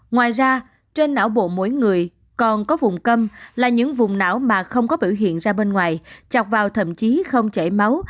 ngoài ra trên não bộ mỗi người còn có vùng cấm là những vùng não mà không có biểu hiện ra bên ngoài chọc vào thậm chí không chảy máu